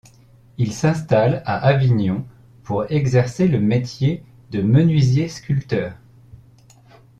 Il s’installe à Avignon pour exercer le métier de menuisier-sculpteur.